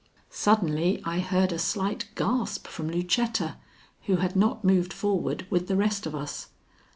Suddenly I heard a slight gasp from Lucetta, who had not moved forward with the rest of us.